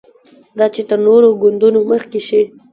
دا چې تر نورو ګوندونو مخکې شي.